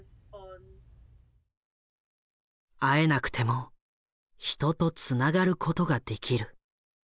会えなくても人とつながることができる。